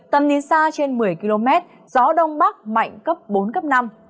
tầm nhìn xa trên một mươi km gió đông bắc mạnh cấp bốn cấp năm